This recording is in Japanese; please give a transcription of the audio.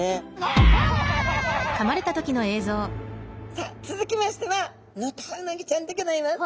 さあつづきましてはヌタウナギちゃんでギョざいます。